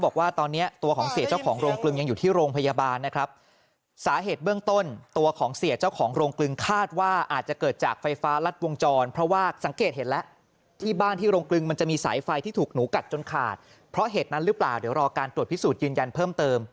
เพราะเหตุนั้นหรือเปล่าเดี๋ยวรอการตรวจพิสูจน์ยืนยันเพิ่มเติม